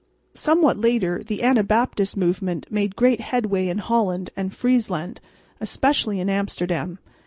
Somewhat later the Anabaptist movement made great headway in Holland and Friesland, especially in Amsterdam.